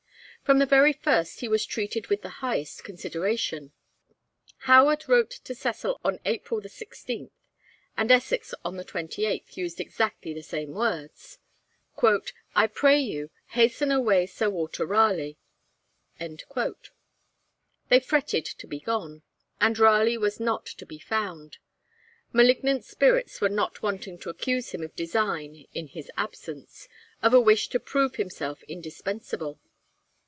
From the very first he was treated with the highest consideration. Howard wrote to Cecil on April 16 and Essex on the 28th used exactly the same words 'I pray you, hasten away Sir Walter Raleigh.' They fretted to be gone, and Raleigh was not to be found; malignant spirits were not wanting to accuse him of design in his absence, of a wish to prove himself indispensable.